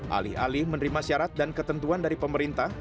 alih alih menerima syarat dan ketentuan dari pemerintah